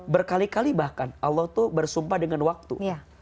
berkali kali bahkan allah itu bersumpah dengan waktu